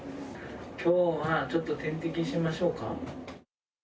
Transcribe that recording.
きょうはちょっと点滴しましょうか。